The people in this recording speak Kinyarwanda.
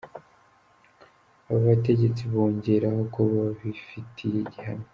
Aba bategetsi bongeraho ko babifitiye gihamya.